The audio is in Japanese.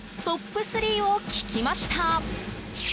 トップ３を聞きました。